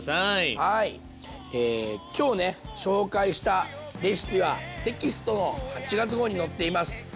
今日ね紹介したレシピはテキストの８月号に載っています。